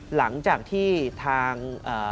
หลังจากที่ทาง